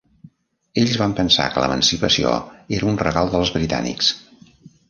Ells van pensar que l'emancipació era un regal dels britànics.